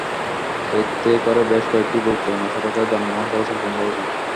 এতে করে বেশ কয়েকটি গুরুত্বপূর্ণ সড়কে যানবাহন চলাচল বন্ধ হয়ে যায়।